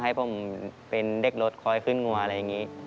ให้ผมเป็นเด็กรถคอยขึ้นงัวอะไรอย่างนี้